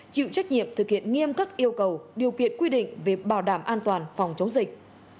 chịu trách nhiệm thực hiện nghiêm các yêu cầu điều kiện quy định về bảo đảm an toàn phòng chống dịch